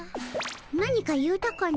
なにか言うたかの？